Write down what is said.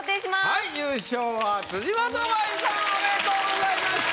はい優勝は辻元舞さんおめでとうございました。